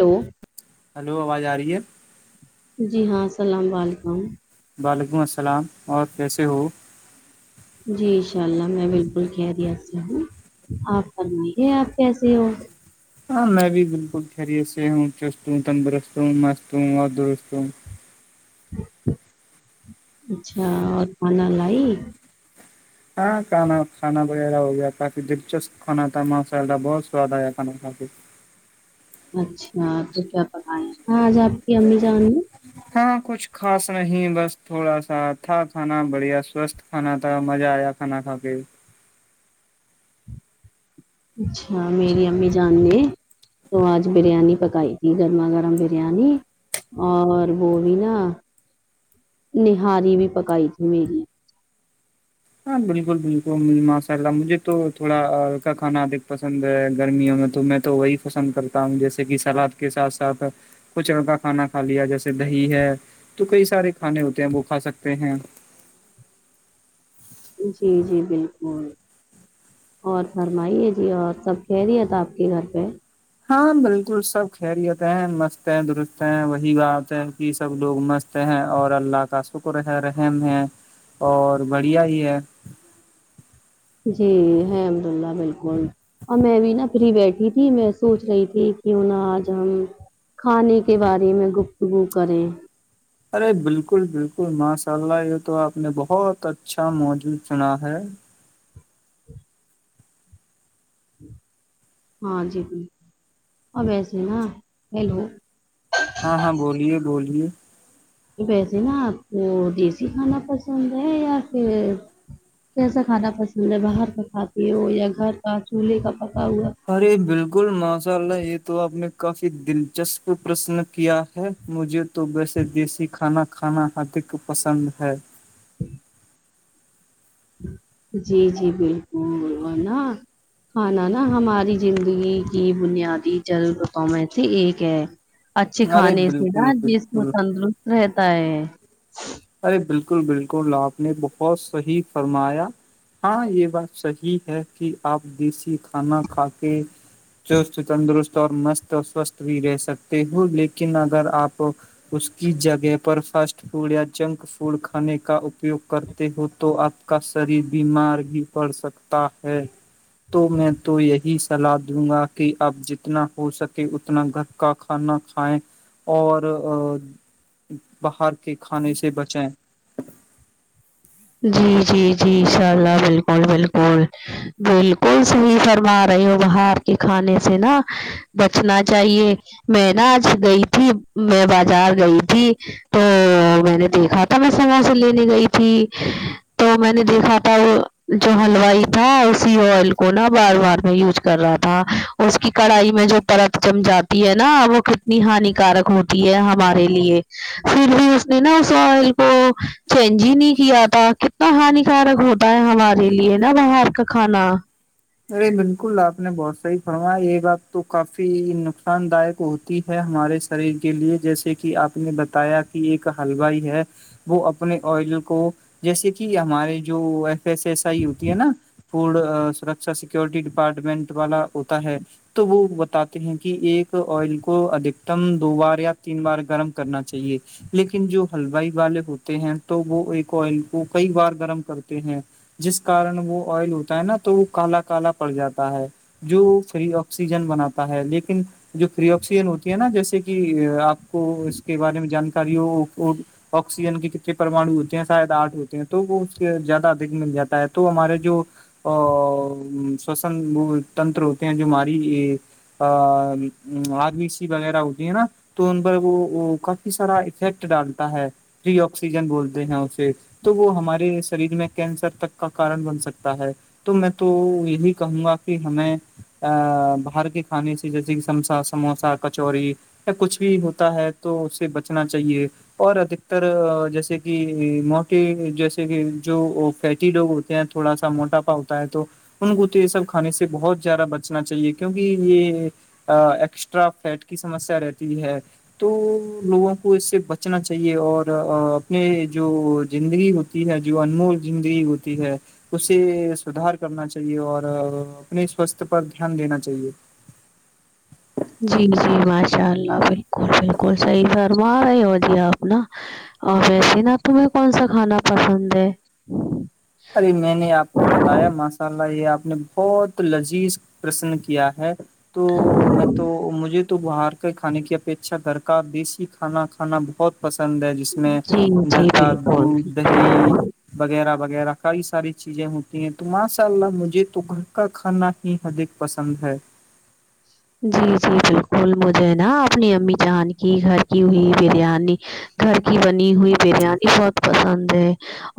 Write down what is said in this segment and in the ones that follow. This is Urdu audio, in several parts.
ہلو ہلو آواز آ رہی ہے جی ہاں السلام علیکم وعلیکم السلام اور کیسے ہو جی انشاء اللہ میں بالکل کی ریات سے ہوں آپ فرمائیے آپ کیسے ہو ہاں میں بھی بالکل خھیریت سے ہوں چست ہوں تندرست ہوں مست ہوں اور درست ہوں اچھا اور کھانا لائی ہاں کھانا کھانا وغیرہ ہو گیا کافی دلچسپ کھانا تھا مسالہ بہت سواد آ گیا کھانا کافی اچھا تو کیا بتائیںاں آج آپ کی امی جان میں ہاں کچھ خاص نہیں بس تھوڑا ساھا کھانا بڑھیا سوستھ کھانا تھا مزہ آیا کھانا کھا کے اچھا میری امی جاننی ہیں تو آج بریانی پکائی تھی گرما گرم بریانی اور وہ بھی نا نہاری بھی پکائی تھی میری ہاں بالکل بالکل ماشاء اللہ مجھے تو تھوڑا ہلکا کھانا ادھک پسند ہے گرمیوں میں تو میں تو وہی پسند کرتا ہوں جیسے کہ سلاد کے ساتھ ساتھ کچڑکا کھانا کھا لیا جیسے دہی ہے تو کئی سارے کھانے ہوتے ہیں وہ کھا سکتے ہیں جی جی بالکل اور فرمائیے جی اور سب کہہ رہے تھا آپ کے گھر پہ ہاں بالکل سب خھیری ہوتے ہیں مست ہیں درست ہیں وہی بات ہے کہ سب لوگ مست تے ہیں اور اللہ کا شکر ہے رحم ہے اور بڑھیا ہی ہے جی ہے الحمد اللہ بالکل اور میں بھی نا فری بیٹھی تھی میں سوچ رہی تھی کیوں نہا آج ہم کھانے کے بارے میں گفتگو کریں ارے بالکل بالکل ماشاء اللہ یہ تو آپ نے بہت اچھا موجود سنا ہے ہاں جی ا ویسے نا ہیلو ہاں ہاں بولیے بولیے ویسے نا آپ کو دیسی کھانا پسند ہے یا پھر کیسا کھانا پسند ہے باہر کا کھاتی ہو یا گھر کا چولہے کا پکا ہوا ارے بالکل ماشاء اللہ یہ تو آپ نے کافی دلچسپ پرشن کیا ہے مجھے تو ویسے دیسی کھانا کھانا ادھک پسند ہے جی جی بالکل بولوانا ہاںانانا ہماری زندگی کی بنیادی جل رقو سے ایک ہے اچھے ارے کھانے سے نا بالکل جس کو بالکل تندرست رہتا ہے ارے بالکل بالکل آ آپ نے بہت صحی فرمایا ہاں یہ بات صحی ہے کہ آپ دیسی کھانا کھا کے چست تندرست اور مست سوستھ بھی رہ سکتے ہ لیکن اگر آپ اس کی جگہ پر فرسٹ فوڈ یا جنک فوڈ کھانے کا اپیوگ کرتے ہو تو آپ کا شریر بیمار ہی پڑ سکتا تا ہے تو میں تو یہی صلاح دوں گا کہ آب جتنا ہو سکے اتنا گھر کا کھانا کھائیں اور باہر کے کھانے سے بچیں جی جی جی ان شاء اللہ بالکل بالکل بالکل صحیح فرما رہے ہو باہر کے کھانے سے نا بچنا چاہیے میں نا آج گئی تھی میں بازار گئی تھی تو میں نے دیکھا تھا میںس وہاں سے لینے گئی تھی تو میں نے دیکھا تھا وہ جو ہلوائی تھا اسی آئل کو نا بار بار میں یوز کر رہا تھا اس کی کڑائی میں جو پرت جم جاتی ہے نا وہ کتنی ہانیکارک ہوتی ہمارے لیے پھر بھی اس نے نا اس آئل کو چینج ہی نہیں کیا تھا کتنا ہان کارک ہوتا ہے ہمارے لیے نا باہر کا کھانا ارے بالکل آپ نے بہت صحی فرما یہ بات تو کافی نقصان داک ہوتی ہے ہمارے شریر کے لیے جیسے کہ آپ نے بتایا کہ ایک ہلوائی ہے وہ اپنے آئل کو جیسے کہ ہمارے جو س ایس آئی ہوتی ہے نا فوڈ سرکشا سیکورٹی ڈپارٹمنٹ والا ہوتا ہے تو وہ بتاتے ہیں کہ ایک آئل کو ادھکتم دو بار یا تین بار گرم کرنا چاہیے لیکن جو ہلوائی والے ہوتے ہیں تو وہ ایک آئل کو کئی بار گرم کرتے ہیں جس کارن وہ آئل ہوتا ہے نا تو وہ کالا کالا پڑ جاتا ہے جو فری آکسیجن بناتا ہے لیکن جو فری آکسیجن ہوتی ہے نا جیسے کہ آپ کو اس کے بارے میں جانکاریوں آکسیجن کی کتنے پرمانو ہوتے ہیں شاید آٹھ ہوتے ہیں تو وہ اس سے زیادہ ادھ مل جاتا ہے تو ہمارے جو ا سوسن وہ تنتر ہوتے ہیں جو ہماری آسیی وغیرہ ہوتی ہے نا تو ان پر وہ کافی سارا افیکٹ ڈالتا ہے فری آکسیجن بولتے ہیں اسے تو وہ ہمارے شریر میں کینسر تک کا کارن بن سکتا ہے تو میں تو یہی کہوں گا کہ ہمیں ا باہر کے کھانے سے جیسے کہ سم سموسا کچوری کچھ بھی ہوتا ہے تو اس سے بچنا چاہیے اور ادھکتر جیسے کہ موق جیسے کہ جو فیٹی لوگ ہوتے ہیں تو تھوا موٹا پاتا ہے تو ان کو تو یہ سب کھانے سے بہت زیادہ بچنا چاہیے کیونکہ یہ ایکسٹرا فیٹ کی سمسیا رہتی ہے تو لوگوں کو اس سے بچنا چاہیے اور اپنے جو زندگی ہوتی ہے جو انمول زندگی ہوتی ہے اسے سدار کرنا چاہیے اور اپنے سواستھ پر دھیان دینا چاہیے جی جی ماشاء اللہ بالکل بالکل صحیح فرم آ رہے ہو جی آپ ن ا ویسی نا تمہیں کون سا کھانا پسند ہے ارے میں نے آپ کو بتایا ماشاء اللہ یہ آپ نے بہت لذیذ پرسن کیا ہے تو میں تو مجھے تو باہر کے کھانے کی اپیکھا گھر کا دیسی کھانا کھانا بہت پسند ہے جس میں جی گھر جی کا بالکل دودھ دہی وغیرہ وغیرہ کاری ساری چیزیں ہوتی ہیں تو ماشاء اللہ مجھے تو گھر کا کھانا ہی حدک پسند ہے جی جی بالکل مجھے نا اپنی امی چاند کی گھر کی ہوئی بریانی گھر کی بنی ہوئی بریانی بہت پسند ہے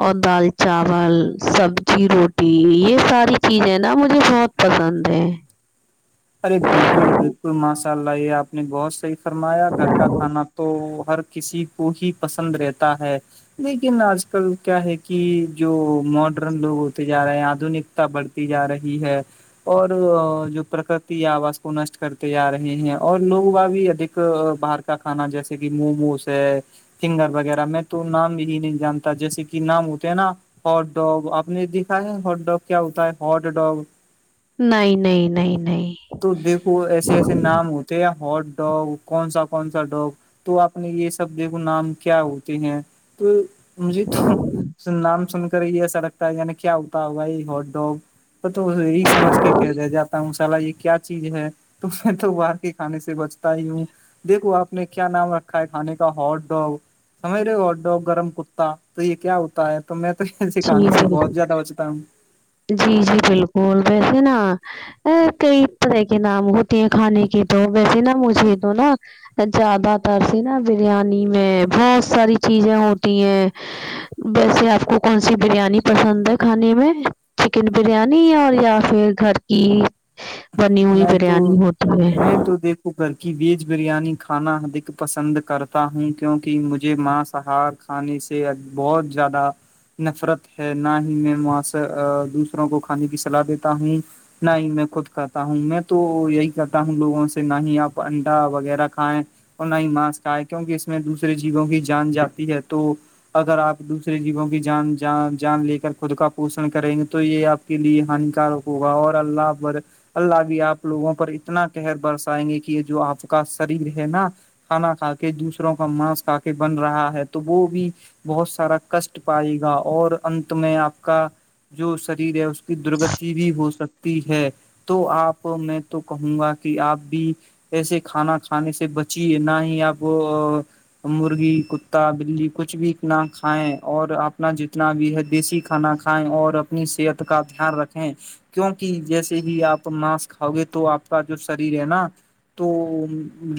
اور دال چاول سبزی روٹی یہ ساری چیزیں نا مجھے بہت پسند ہیں ارے بالکل بالکل ماشاء اللہ یہ آپ نے بہت صحیح فرمایا گھر کا کھانا تو ہر کسی کو ہی پسند رہتا ہے لیکن آج کل کیا ہے کہ جو ماڈرن لوگ ہوتے جا رہے ہیں آدنک بڑھتی جا رہی ہے اور جو پرک آواز کو نشٹ کرتے آ رہے ہیں اور لوگوں کا بھی ادک باہر کا کھانا جیسے کہ موموز سنگر وغیرہ میں تو نام ہی نہیں جانتا جیسے کہ نام ہوتے ہیں نا ہٹ ڈگ آپ نے دکھا ہے ہٹ ڈگ کیا ہوتا ہے ہٹ ڈگ نہیں نہیں نہیں نہیں تو دیکھو ایسے ایسے نام ہوتے ہیں ہاٹ ڈاگ کون سا کون سا ڈاگ تو آپ نے یہ سب دیکھو نام کیا ہوتے ہیں تو مجھے تو نام سن کر یہ سڑگتا ہے نے کیا ہوتا ہے ہو بھائی ہوٹ ڈگ تو تو یہی سمجھ کے کہ رہ جاتا مسالا یہ کیا چیز ہے تو میں تو باہر کے کھانے سے بچتا ہی ہوں دیکھو آپ نے کیا نام رکھا ہے کھانے کا ہاٹ ڈاگ ہمیرےڈو گرم کتا تو یہ کیا ہوتا ہے تو میں تو ای س جی کھانے سے بالکل بہت زیادہ بچتا ہوں جی جی بالکل ویسے نا کئی طرح کے نام ہوتے ہیں کھانے کے تو ویسے نا مجھے تو نا زیادہ تر س نا بریانی میں بہت ساری چیزیں ہوتی ہیں بس یہ آپ کو کون سی بریانی پسند ہے کھانے میں چکن بریانی اور یا پھر گھر کی بنی ہوئی میں بریانی تو ہوتی ہے میں تو دیک کوکر کی ویج بریانی کھانا ادھک پسند کرتا ہوں کیونکہ مجھے ماںسحق آانی سے بہت زیادہ نفرت ہے نہ ہی میںا دوسروں کو کھانے کی صلاح دیتا ہوں نہیں میں خود کر تا ہوں میں تو یہی کہتا ہوں لوگوں سے نہ ہی آپ انڈا وغیرہ کھائیں اور نہ ہی ماسک آئے کیونکہ اس میں دوسرے جیووں کی جان جاتی ہے تو اگر آپ دوسرے جیبوں کی جان جان لے کر خود کا پوشن کریں گے تو یہ آپ کے لیے ہانیکارک ہوگا اور اللہ پر اللہ بھی آپ لوگوں پر اتنا کہہر برسائیں گے کہ یہ جو آپ کا شریر ہے نا کھانا کھا کے دوسروں کا مانس کھ کے بن رہا ہے تو وہ بھی بہت سارا کشٹ پائے گا اور ا انت میں آپ کا جو شریر ہے اس درگتی بھی ہو سکتی ہے تو آپ میں تو کہوں گا کہ آپ بھی ایسے کھانا کھانے سے بچیے نہ ہی آپ مرغی کتا بلی کچھ بھی نہ کھائیں اور اپنا جتنا بھی ہے دیسی کھانا کھائیں اور اپنی صحت کا دھیان رکھیں کیوںک جیسے ہی آپ ناس کاؤ گے تو آپ کا جو شریر ہے نا تو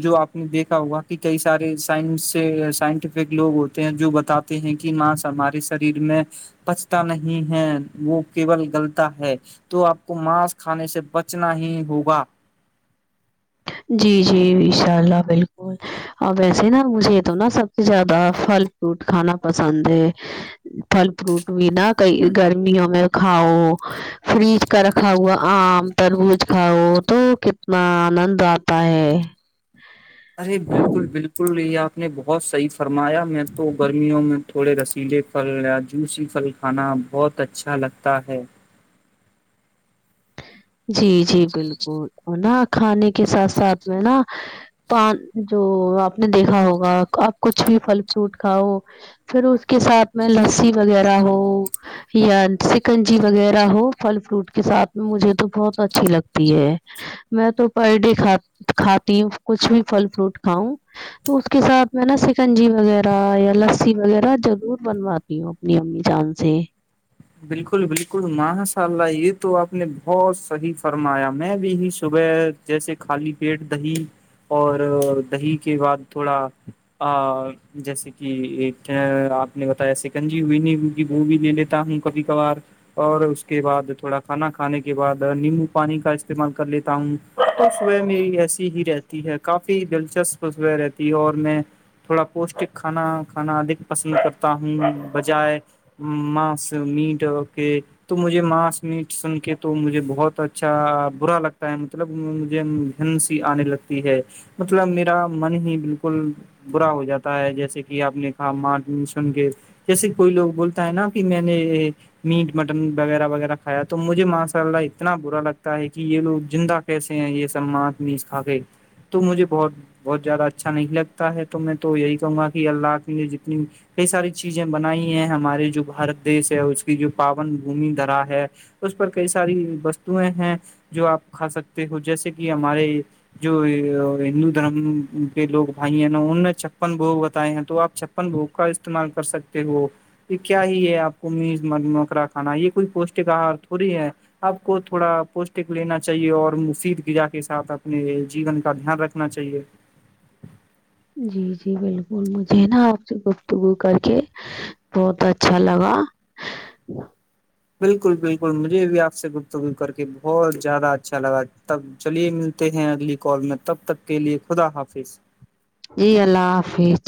جو آپ نے دیکھا ہوا کہ کئی سارے سائنس سے سائنٹیفک لوگ ہوتے جو بتاتے ہیں کہ ماس ہمارے شریر میں پچتا نہیں ہے وہ کیول گلتا ہے تو آپ کو مانس کھانے سے بچنا ہی ہوگا جی جی ان شاء اللہ بالکل اور ویسے نا مجھے تو نا سب سے زیادہ پھل فروٹ کھانا پسند ہے پھل فروٹ بھی نہا کئی گرمیوں میں کھاؤ فریج کرکھا ہوا آم تربوز کھاؤ تو کتنا آنند آتا ہے ارے بالکل بالکل یہ آپ نے بہت صحیح فرمایا میں تو گ وں میں تھوڑے رسیلے پھل یا جوسی پھل کھانا بہت اچھا لگتا ہے جی جی بالکل نا کھانے کے ساتھ ساتھ میں نا پان جو آپ نے دیکھا ہوگا آپ کچھ بھی پھل فروٹ کھاؤ پھر اس کے ساتھ میں لسی وغیرہ ہو یا سکنجی وغیرہ ہو پھل فروٹ کے ساتھ میں مجھے تو بہت اچھی لگتی ہے میں تو پر ڈے کھ کھاتی ہوں کچھ بھی پھل فروٹ کھاؤں تو اس کے ساتھ میں نا سکنجی وغیرہ یا لسی وغیرہ رور بنواتی اپنی امی جان سے بالکل بالکل ماشاء اللہ یہ تو آپ نے بہت صحیح فرمایا میں بھی ہی صبح جیسے خالی پیٹ دہی اور دہی کے بعد تھوڑا جیسے کہ ایک آپ نے بتایا سکنجی ہوئی نہیں کی وہ بھی لے لیتا ہوں کبھی کبار اور اس کے بعد تھوڑا کھانا کھانے کے بعد نیمبو پانی کا استعمال کر لیتا ہوں اس وہح میری ایسی ہی رہتی ہے کافی دلچسپ وہح رہتی ہے اور میں تھوڑا پوشٹک کھانا کھانا ادھ پسند کرتا ہوں بجائے م میٹ اکے [unintelligible] تو مجھے ماس میٹ سن کے تو مجھے بہت اچھا برا لگتا ہے مطلب مجھے ن سی آنے لگتی ہے مطلب میرا من ہی بالکل برا ہو جاتا ہے جیسے کہ آپ نے کہا مار سن کے جیسے کوئی لوگ بولتا ہے نا کہ میں نہیں میٹ مٹن وغیرہ وغیرہ کھایا تو مجھے ماشاء اللہ اتنا برا لگتا ہے کہ یہ لوگ زندہ کیسے ہیں یہ سب مس مس کھا گئے تو مجھے بہت بہت زیادہ اچھا نہیں لگتا ہے تو میں تو یہی کہوں گا کہ اللہ کے لیے جتنی کئی ساری چیزیں بنائی ہیں ہمارے جو بارت دیش ہے اس کی جو پاون بھمی دھرا ہے اس پر کئی ساری وستویں ہیں جو آپ کھا سکتے ہو جیسے کہ ہمارے جو ہندو دھرم کے لوگ بھائی ہیں نا ان نے چھپن بو بتائے ہیں تو آپ اپن بھوک کا استعمال کر سکتے ہو یہ کیا ہی ہے آپ میز مکرا کانا یہ کوئی پوشٹک آہار تھوڑی ہے آپ کو تھوڑا پوشٹک لینا چاہیے اور مفید غرذا کے سھ اپنے جین کا دھیان رکھ نا چاہیے جی جی بالکل مجھے نا آپ سے گفتگو کر کے بہت اچھا لگا بالکل بالکل مجھے بھی آپ سے گپتگ کر کے بہت زیادہ اچھا لگا تب چلیے ملتے ہیں اگلی کال میں تب تک کے لیے خدا حافظ جی اللہ حافظ